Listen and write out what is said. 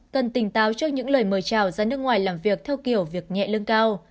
cần tỉnh táo trước những lời mời trào ra nước ngoài làm việc theo kiểu việc nhẹ lưng cao